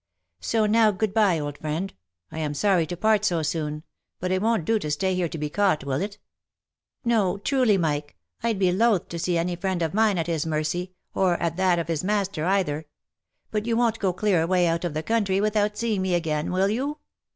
So now good by, old friend ; I am sorry to part so soon, but it won't do to stay here to be caught, will it?" " No, truly, Mike ! I'd be loath to see any friend of mine at his mercy, or at that of his master either. But you won't go clear away out of the country without seeing me again, will you